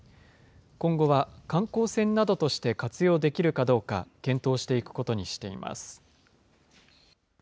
今後は観光船などとして活用できるかどうか、検討していくことにしています。